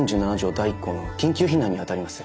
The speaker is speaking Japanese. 第１項の緊急避難にあたります。